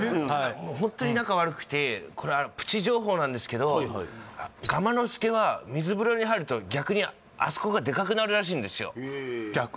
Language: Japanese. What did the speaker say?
ホントに仲悪くてこれはプチ情報なんですけどがまの助は水風呂に入ると逆にあそこがデカくなるらしいんですよ